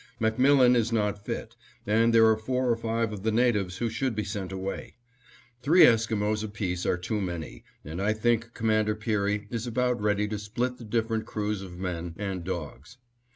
MacMillan is not fit, and there are four or five of the natives who should be sent away. Three Esquimos apiece are too many, and I think Commander Peary is about ready to split the different crews of men and dogs.